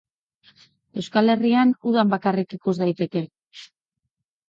Euskal Herrian udan bakarrik ikus daiteke.